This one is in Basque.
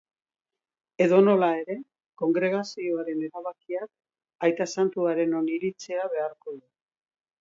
Edonola ere, kongregazioaren erabakiak aita santuaren oniritzia beharko du.